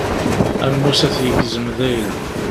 Ammus ad t-yegzem dayen.